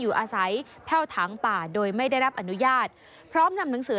อยู่อาศัยแพ่วถางป่าโดยไม่ได้รับอนุญาตพร้อมนำหนังสือ